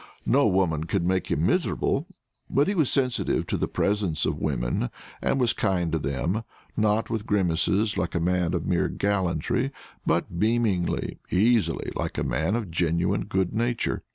No woman could make him miserable, but he was sensitive to the presence of women, and was kind to them; not with grimaces, like a man of mere gallantry, but beamingly, easily, like a man of genuine good nature.